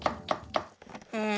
うん。